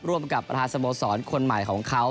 ร่วมกับประธานสโมสรคนใหม่ของเขา